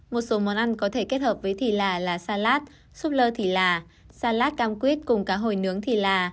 một số món ăn có thể kết hợp với thì là là salad súp lơ thì là salad cam quyết cùng cá hồi nướng thì là